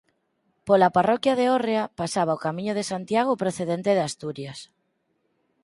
Pola parroquia de Órrea pasaba o camiño de Santiago procedente de Asturias.